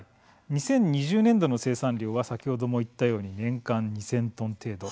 ２０２０年度の生産量は先ほども言ったように年間２０００トン程度。